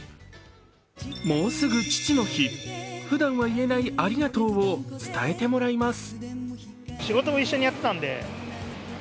もうすぐ父の日ふだんは言えないありがとうを伝えてもらいます。